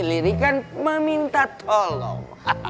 lirikan meminta tolong